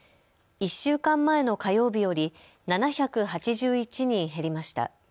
１週間前の火曜日より７８１人減りました。